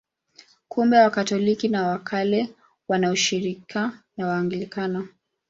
Kumbe Wakatoliki wa Kale wana ushirika na Waanglikana.